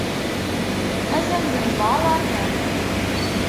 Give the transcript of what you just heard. Atan deg beṛṛa Tom.